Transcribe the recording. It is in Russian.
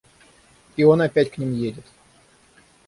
И он опять к ним едет.